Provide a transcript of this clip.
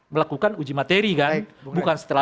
melakukan uji materi kan bukan setelah